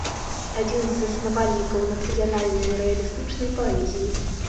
Адзін з заснавальнікаў нацыянальнай рэалістычнай паэзіі.